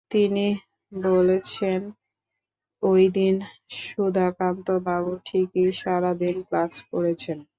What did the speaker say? তিনি বলেছেন, ঐদিন সুধাকান্তবাবু ঠিকই সারা দিন ক্লাস করেছেন।